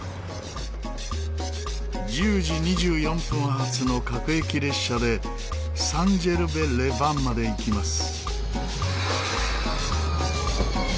１０時２４分発の各駅列車でサン・ジェルヴェ・レ・バンまで行きます。